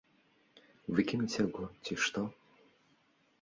Выкінуць яго, ці што?